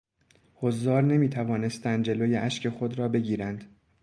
حضار نمیتوانستند جلوی اشک خود را بگیرند.